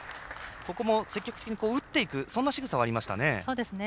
ここも積極的に打っていくそんなしぐさはありましたね。